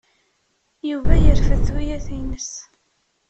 Yuba yerfed tuyat-nnes.